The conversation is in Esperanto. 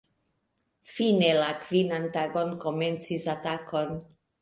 Fine la kvinan tagon komencis atakon.